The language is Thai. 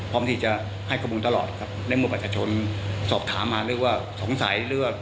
พร้อมที่จะให้ข้อมูลตลอดครับในเมื่อประชาชนสอบถามมาหรือว่าสงสัยหรือว่า